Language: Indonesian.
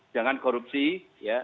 jangan korupsi ya